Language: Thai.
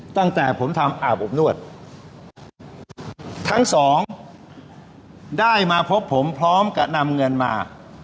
ตั้งแต่ผมทำอาบอบนวดทั้งสองได้มาพบผมพร้อมกับนำเงินมา